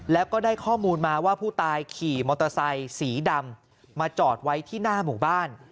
แล้วก็ได้ข้อมูลมาว่าผู้ตายขี่มอเตอร์ไซค์สีดำมาจอดไว้ที่หน้าหมู่บ้าน